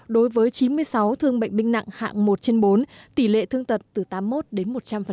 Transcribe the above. đối với chín mươi sáu thương bệnh binh nặng hạng một trên bốn tỷ lệ thương tật từ tám mươi một đến một trăm linh